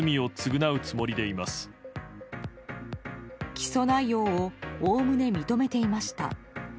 起訴内容をおおむね認めていました。